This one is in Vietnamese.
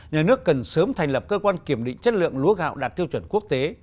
nhà nước cần sớm thành lập cơ quan kiểm định chất lượng lúa gạo đạt tiêu chuẩn quốc tế